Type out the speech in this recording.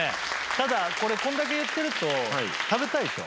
ただこれこれだけ言ってると食べたいでしょ？